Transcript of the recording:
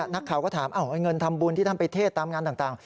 นักข่าวก็ถามเงินทำบุญที่ท่านไปเทศตามงานต่าง